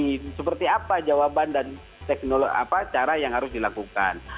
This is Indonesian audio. nah seperti apa jawaban dan cara yang harus dilakukan